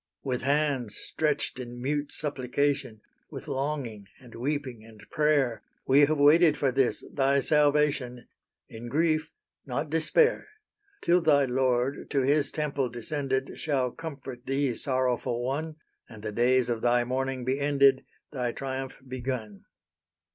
With hands stretched in mute supplication, With longing, and weeping, and prayer, We have waited for this, thy salvation, In grief not despair; Till thy Lord to His temple descended, Shall comfort thee, sorrowful one, And the days of thy mourning be ended, Thy triumph begun.